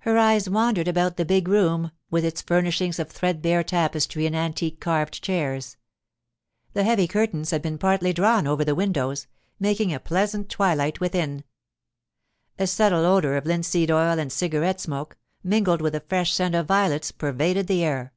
Her eyes wandered about the big room, with its furnishings of threadbare tapestry and antique carved chairs. The heavy curtains had been partly drawn over the windows, making a pleasant twilight within. A subtle odour of linseed oil and cigarette smoke, mingled with the fresh scent of violets, pervaded the air.